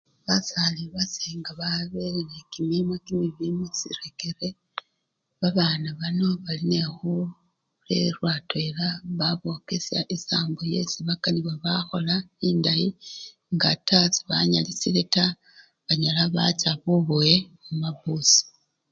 Basale base nga babele nekimima kimibii musirekere, babana bano bari nekhurerwa atwela babokesya esambo yesi bakanibwa bakhola endayi nga taa sebanyalisyile taa banyala bacha bubowe mumapusii.